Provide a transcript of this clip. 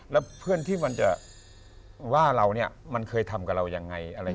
แล้วเพื่อนที่มันจะว่าเรามันเคยทำกับเรายังไง